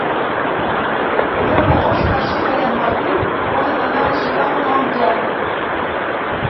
El deu d'agost na Sira i en Martí volen anar a visitar mon oncle.